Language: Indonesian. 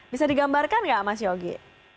bisa digambarkan nggak mas yogi